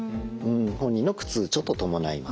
本人の苦痛ちょっと伴います。